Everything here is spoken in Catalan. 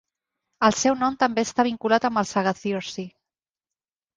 El seu nom també està vinculat amb els Agathyrsi.